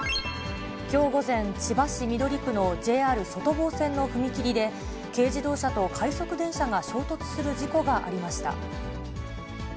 きょう午前、千葉市緑区のＪＲ外房線の踏切で、軽自動車と快速電車が衝突する事故がありました。